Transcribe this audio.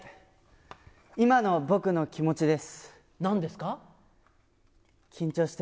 今の僕の気持ちです。